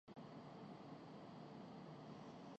برقعہ پہن کے وہ ایسا کر سکتی ہیں؟